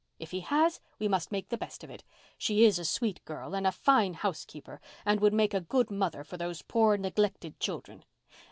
If he has, we must make the best of it. She is a sweet girl and a fine housekeeper, and would make a good mother for those poor, neglected children.